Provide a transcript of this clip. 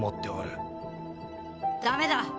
「ダメだ！